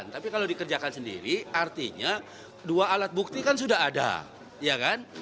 tapi kalau dikerjakan sendiri artinya dua alat bukti kan sudah ada ya kan